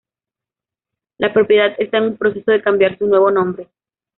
La propiedad está en un proceso de cambiar su nuevo nombre.